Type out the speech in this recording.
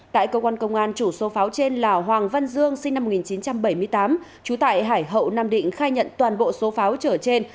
tại cơ quan công an chủ số pháo trên là hoàng văn dương sinh năm một nghìn chín trăm bảy mươi tám trú tại hải hậu nam định khai nhận toàn bộ số pháo trở trên